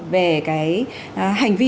về cái hành vi